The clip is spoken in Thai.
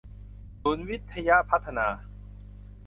ศูนย์วิทยพัฒนา